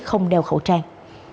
không đeo khẩu trang